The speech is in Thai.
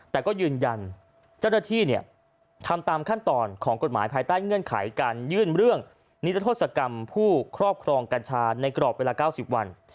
แต่ก็ยืนยันเจ้าหน้าที่ทำตามขั้นตอนของกฎหมายภายใต้เงื่อนไขการยื่นเรื่องนิรโทษกรรมผู้ครอบครองกัญชาในกรอบเวลา๙๐วัน